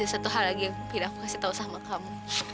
ada satu hal lagi yang pindah aku kasih tau sama kamu